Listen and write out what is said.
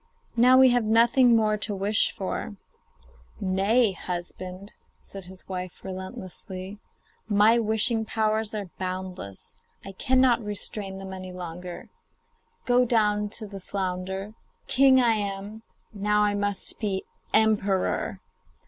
Now we have nothing more to wish for.' 'Nay, husband,' said his wife restlessly, 'my wishing powers are boundless; I cannot restrain them any longer. Go down to the flounder; king I am, now I must be emperor.